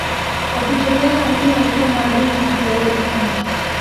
wakichekeana lakini walikuwa maadui ili tuelewe chanzo